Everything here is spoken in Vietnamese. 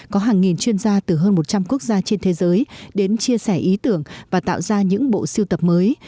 có hàng nghìn chuyên gia từ hơn một trăm linh quốc gia trên thế giới đến chia sẻ ý tưởng và tạo ra những bộ siêu tập mới